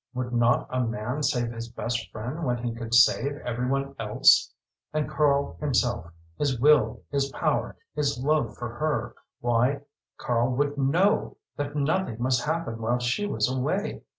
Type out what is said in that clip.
Would not a man save his best friend when he could save every one else? And Karl himself his will, his power, his love for her why Karl would know that nothing must happen while she was away!